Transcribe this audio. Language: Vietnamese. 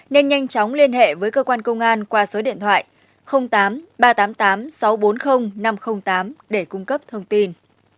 nên nhanh chóng liên hệ với cơ quan công an qua số điện thoại tám ba trăm tám mươi tám sáu trăm bốn mươi năm trăm linh tám để cung cấp thông tin